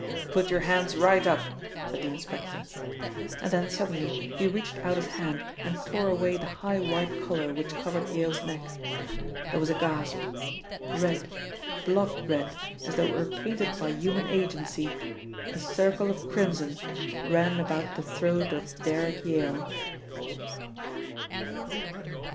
"Put your hands right up!" said the inspector, and then suddenly he reached out his hand and tore away the high white collar which covered Yale's neck. There was a gasp. Red, blood red, as though it were painted by human agency, a circle of crimson ran about the throat of Derrick Yale.